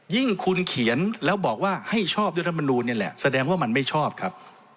ยิ่งคุณเขียนแล้วบอกว่าให้ชอบด้วยรัฐมนูลนี่แหละแสดงว่ามันไม่ชอบครับ